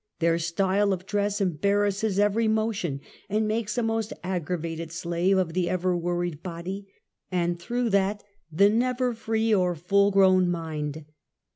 Their style of dress embar rasses every motion, and makes a most aggravated slave of the ever worried body, and through that the never free or full grow^n mind.